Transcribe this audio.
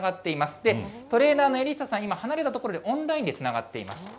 で、トレーナーのエリッサさん、今、離れた所で、オンラインでつながっています。